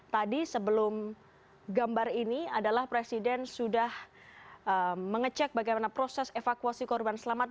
tadi sebelum gambar ini adalah presiden sudah mengecek bagaimana proses evakuasi korban selamat